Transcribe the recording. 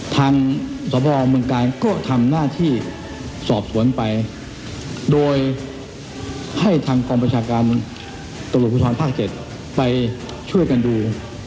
ทางสพเมืองกาลก็ทำหน้าที่สอบสวนไปโดยให้ทางกองประชาการตำรวจภูทรภาค๗ไปช่วยกันดู